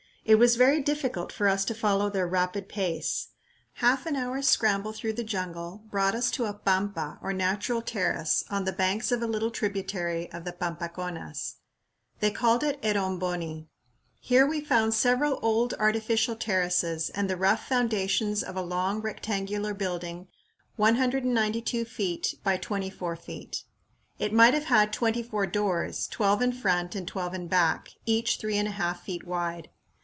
It was very difficult for us to follow their rapid pace. Half an hour's scramble through the jungle brought us to a pampa or natural terrace on the banks of a little tributary of the Pampaconas. They called it Eromboni. Here we found several old artificial terraces and the rough foundations of a long, rectangular building 192 feet by 24 feet. It might have had twenty four doors, twelve in front and twelve in back, each three and a half feet wide.